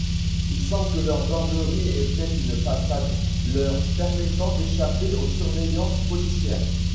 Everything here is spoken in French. Il semble que leurs beuveries étaient une façade leur permettant d'échapper aux surveillances policières.